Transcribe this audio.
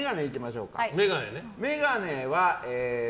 眼鏡は。